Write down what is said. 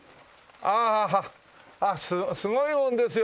ああすごいもんですよね。